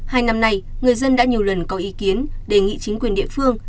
hai năm nay người dân đã nhiều lần có ý kiến đề nghị chính quyền địa phương